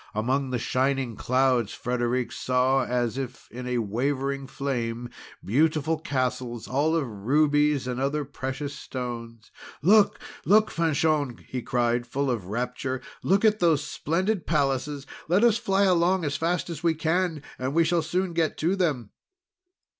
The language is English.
Among the shining clouds, Frederic saw, as if in wavering flame, beautiful castles all of rubies and other precious stones. "Look! Look! Fanchon!" he cried, full of rapture. "Look at those splendid palaces! Let us fly along as fast as we can, and we shall soon get to them."